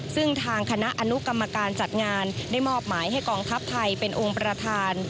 ซึ่งทางคณะอนุกรรมการจัดงานได้มอบหมายให้กองทัพไทยเป็นองค์ประธาน